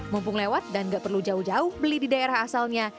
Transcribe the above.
mumpung lewat dan gak perlu jauh jauh beli di daerah asalnya